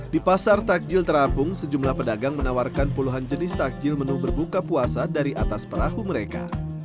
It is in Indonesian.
di pasar takjil terapung sejumlah pedagang menawarkan puluhan jenis takjil menu berbuka puasa dari atas perahu mereka